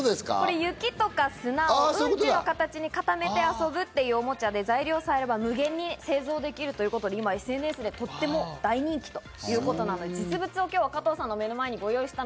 雪とか砂をうんちの形に固めて遊ぶというおもちゃで、材料さえあれば無限に製造できるということで今ＳＮＳでとっても大人気ということで、実物を加藤さんの目の前にご用意しました。